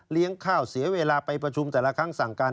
ข้าวเสียเวลาไปประชุมแต่ละครั้งสั่งการ